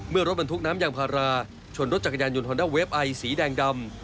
รถบรรทุกน้ำยางพาราชนรถจักรยานยนต์ฮอนด้าเวฟไอสีแดงดำ